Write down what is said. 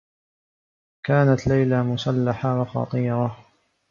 كانت ليلى مسلّحة و خطيرة.